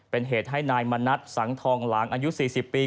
เป็นเหตุให้นายมณัฐสังทองหลางอายุ๔๐ปี